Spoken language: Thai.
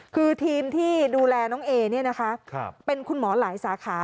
คือทีมที่ดูแลน้องเอ๋เป็นคุณหมอหลายสาขา